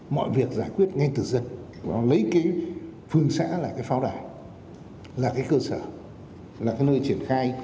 mọi việc giải quyết ngay từ dân lấy cái phường xã là cái pháo đài là cái cơ sở là cái nơi